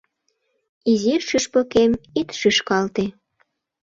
Изи шӱшпыкем, ит шӱшкалте